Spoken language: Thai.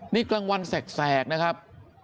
นี่กลางวันแสกนะครับ